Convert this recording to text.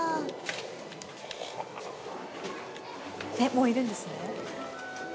えっもういるんですね。